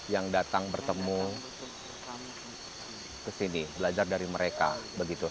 yang datang bertemu kesini belajar dari mereka begitu